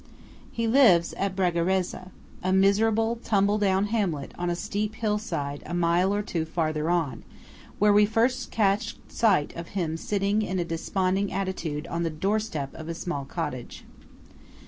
He lives at Bragarezza a miserable, tumble down hamlet on a steep hill side a mile or two farther on, where we first catch sight of him sitting in a desponding attitude on the doorstep of a small cottage.